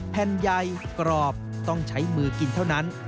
แผ่นใหญ่กรอบต้องใช้มือกินเท่านั้น